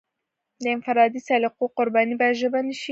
د انفرادي سلیقو قرباني باید ژبه نشي.